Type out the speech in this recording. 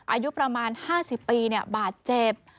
อายุประมาณ๕๐ปีบาดเจ็บ